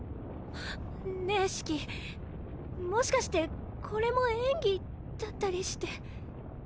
ねぇシキもしかしてこれも演技だったりして。